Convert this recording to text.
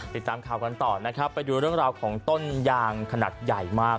ติดตามข่าวกันต่อนะครับไปดูเรื่องราวของต้นยางขนาดใหญ่มาก